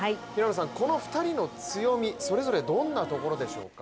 この２人の強み、それぞれどんなところでしょうか？